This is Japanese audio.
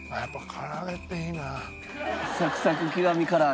唐揚げっていいな！